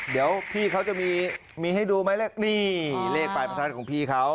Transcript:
เดี๋ยวพี่เขาจะมีให้ดูไหมเลขนี้เลขปลายประทัดของพี่เขา